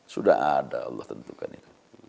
sudah ada allah tentukan itu